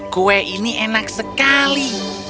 kue ini enak sekali